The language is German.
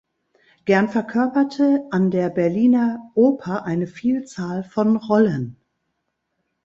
Gern verkörperte an der Berliner Oper eine Vielzahl von Rollen.